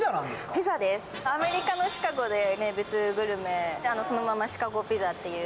アメリカのシカゴで名物グルメ、そのままシカゴピザという。